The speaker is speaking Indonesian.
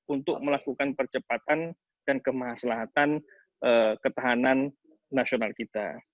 untuk melakukan percepatan dan kemaslahatan ketahanan nasional kita